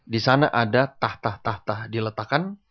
di sana ada tahta tahta diletakkan